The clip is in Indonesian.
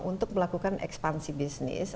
untuk melakukan ekspansi bisnis